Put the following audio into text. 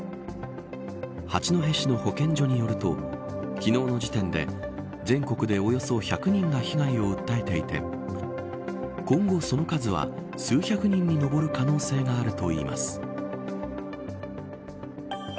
八戸市の保健所によると昨日の時点で全国でおよそ１００人が被害を訴えていて今後その数は洗剤で驚くことなんて